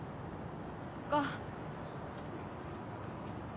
そっか。